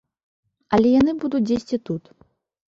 Але яны будуць дзесьці тут.